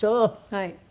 はい。